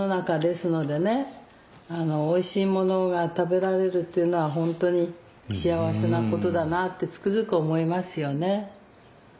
おいしいものが食べられるっていうのはほんとに幸せなことだなってつくづく思いますよね。